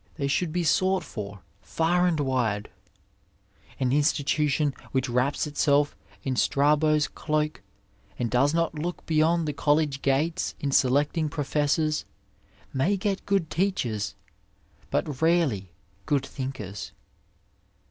They should be sought for &r and wide ; an institution which wraps itself in Strabo's cloak and does not look beyond the college gates in selecting professors may get good teachers, but rarely good thinkers.